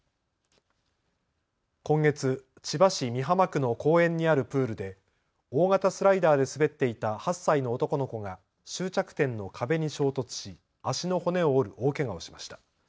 今月、千葉市美浜区の公園にあるプールで大型スライダーで滑っていた８歳の男の子が終着点の壁に衝突し足の骨を折る大けがをしました。